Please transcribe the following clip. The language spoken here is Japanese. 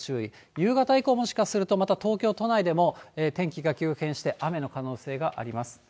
夕方以降、もしかすると、また東京都内でも天気が急変して雨の可能性があります。